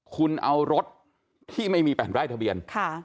คุณเอารถที่ไม่มีแผ่นป้ายทะเบียน